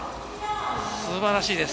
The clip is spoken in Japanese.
素晴らしいです。